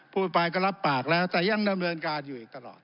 พูดไปก็รับปากแล้วแต่ยังดำเนินการอยู่อีกตลอด